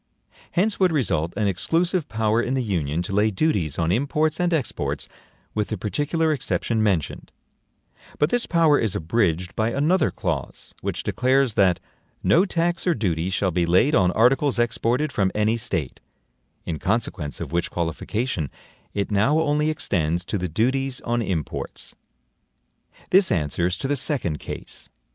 Hence would result an exclusive power in the Union to lay duties on imports and exports, with the particular exception mentioned; but this power is abridged by another clause, which declares that no tax or duty shall be laid on articles exported from any State; in consequence of which qualification, it now only extends to the DUTIES ON IMPORTS. This answers to the second case.